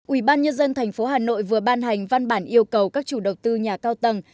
ủy ban nhân dân tp hà nội vừa ban hành văn bản yêu cầu các chủ đầu tư nhà cao tầng